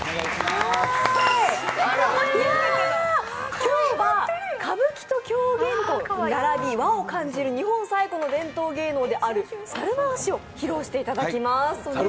今日は歌舞伎と狂言と並び、和を感じる日本最古の伝統芸能である猿回しを披露していただきます。